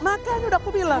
makanya udah aku bilang